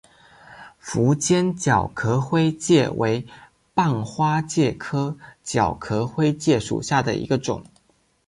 符坚角壳灰介为半花介科角壳灰介属下的一个种。